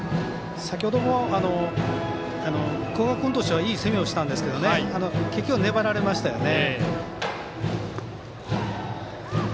先ほども古賀君としてはいい攻めをしたんですけど結局、粘られましたよね。